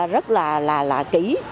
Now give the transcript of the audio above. rất là kỹ